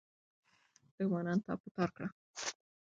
دښمنان تار په تار کړه.